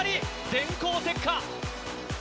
電光石火！